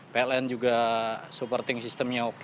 pln juga supporting systemnya oke